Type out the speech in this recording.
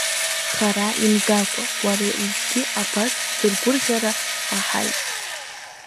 Хара имгакәа уара узгьы абас ҳзыргәырӷьара ҳаҳааит.